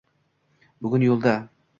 Bugun yo’lda…